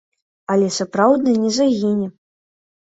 Але сапраўднае не загіне.